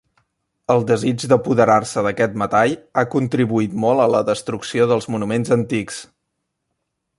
El desig d'apoderar-se d'aquest metall ha contribuït molt a la destrucció dels monuments antics.